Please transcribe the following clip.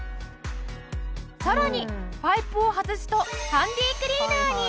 さらにパイプを外すとハンディクリーナーに！